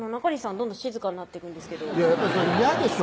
どんどん静かになってくんですけどやっぱそりゃ嫌でしょ